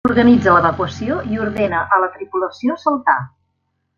Organitza l'evacuació i ordena a la tripulació saltar.